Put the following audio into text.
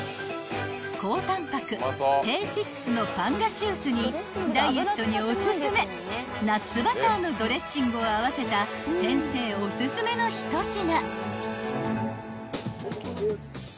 ［高タンパク低脂質のパンガシウスにダイエットにおすすめナッツバターのドレッシングを合わせた先生おすすめの一品］